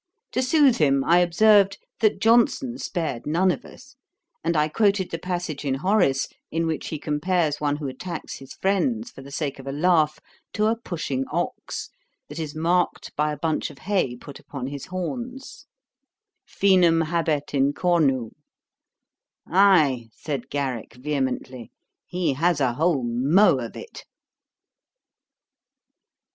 To sooth him, I observed, that Johnson spared none of us; and I quoted the passage in Horace, in which he compares one who attacks his friends for the sake of a laugh, to a pushing ox, that is marked by a bunch of hay put upon his horns: 'fænum habet in cornu.' 'Ay, (said Garrick vehemently,) he has a whole mow of it.'